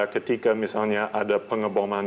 ketika misalnya ada pengeboman